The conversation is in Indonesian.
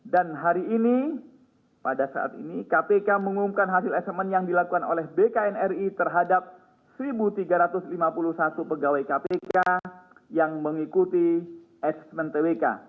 hari ini pada saat ini kpk mengumumkan hasil asesmen yang dilakukan oleh bknri terhadap satu tiga ratus lima puluh satu pegawai kpk yang mengikuti smen twk